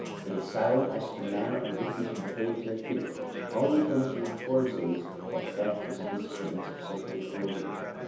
It is silent as to the manner in which we should behave to a thief; all the information it affords is, that theft is a disturbance of social equilibrium.